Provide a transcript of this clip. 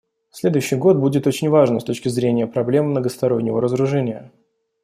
Следующий год будет очень важным с точки зрения проблем многостороннего разоружения.